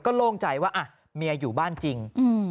โล่งใจว่าเมียอยู่บ้านจริง